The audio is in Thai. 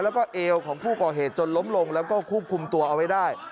แล้วก็เอวของผู้ก่อเหตุจนล้มลงแล้วก็ควบคุมตัวเอาไว้ได้